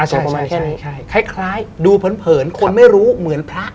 ใช่คล้ายดูเผินคนไม่รู้เหมือนพระ